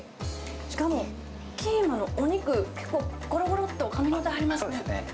しかもキーマのお肉、結構、ごろごろっとかみ応えありますね。